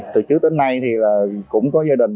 từ trước đến nay thì cũng có gia đình